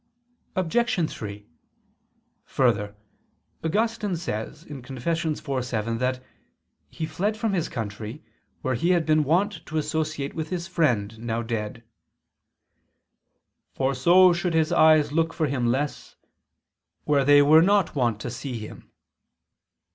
Obj. 3: Further, Augustine says (Confess. iv, 7) that he fled from his country, where he had been wont to associate with his friend, now dead: "for so should his eyes look for him less, where they were not wont to see him."